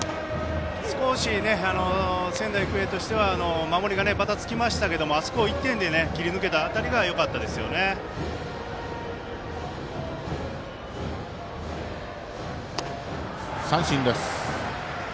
少し仙台育英としては、守りがばたつきましたけれどもあそこを１点で切り抜けた辺りが三振です。